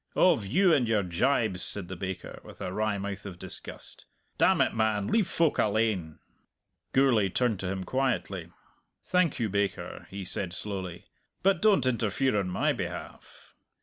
"Of you and your gibes," said the baker, with a wry mouth of disgust. "Damn it, man, leave folk alane!" Gourlay turned to him quietly. "Thank you, baker," he said slowly. "But don't interfere on my behalf!